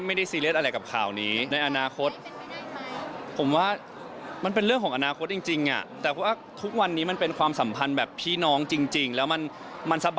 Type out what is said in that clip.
ซีเรียสอะไรกับข่าวนี้ในอนาคต